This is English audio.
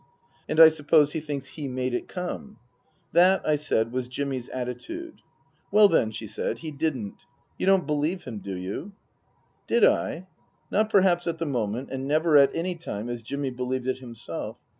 " And I suppose he thinks he made it come ?" That, I said, was Jimmy's attitude. " Well, then," she said, " he didn't. You don't believe him, do you ?" Did I ? Not perhaps at the moment, and never at any time as Jimmy believed it himself.